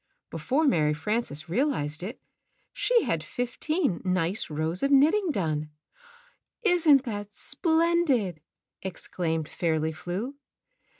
Before Mary Frances realized it, she had fifteen nice rows of knitting done. ' "Isn't that splendid!" exclaimed Fairly Flew.